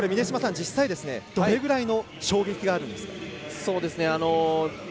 実際、どのくらいの衝撃があるんですか？